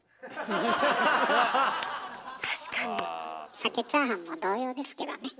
さけチャーハンも同様ですけどね。